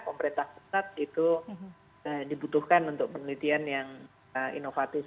pemerintah pusat itu dibutuhkan untuk penelitian yang inovatif